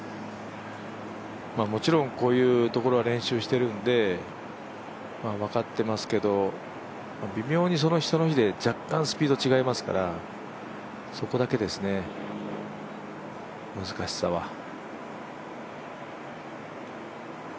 もちろんこういうところは練習しているんで分かってますけど微妙にその日その日で若干スピード違いますからそこだけですね、難しさは。